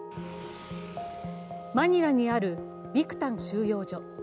マニラにあるビクタン収容所。